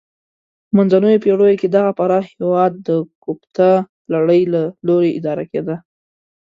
په منځنیو پیړیو کې دغه پراخ هېواد د کوپتا لړۍ له لوري اداره کېده.